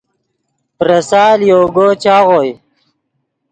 پریسال یوگو چاغوئے